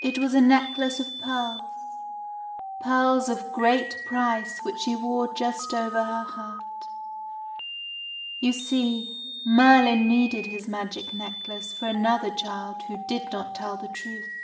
It was a necklace of pearls, pearls of great price which she wore just over her heart. You see, Merlin needed his magic necklace for another child who did not tell the truth.